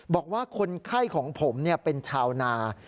บอกว่าคนไข้ของผมเป็นชาวนา